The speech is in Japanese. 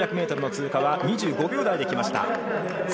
３００ｍ通過は２分５０秒台で行きました。